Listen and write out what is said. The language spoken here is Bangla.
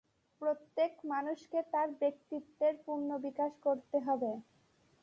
প্রত্যেক মানুষকে তার ব্যক্তিত্বের পূর্ণ বিকাশ করতে হবে।